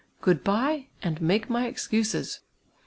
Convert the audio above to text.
Good bye, and make my excuses!"